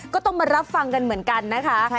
ก็ต้องมารับฟังกันเหมือนกันนะคะ